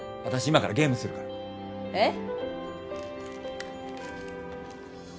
今からゲームするからえっ？